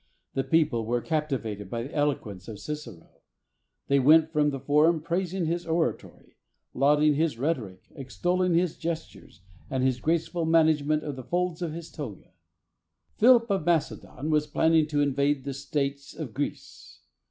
The people were captivated by the eloquence of Cicero. They went from the Forum praising his oratory, lauding his rhetoric, extolling his gestures and his graceful management of the folds of his toga. Philip, of Macedon, was planning to in vade the States of Greece.